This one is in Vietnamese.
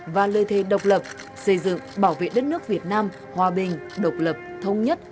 và lời thề độc lập xây dựng bảo vệ đất nước việt nam hòa bình độc lập thống nhất